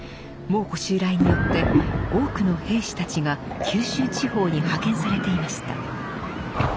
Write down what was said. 蒙古襲来によって多くの兵士たちが九州地方に派遣されていました。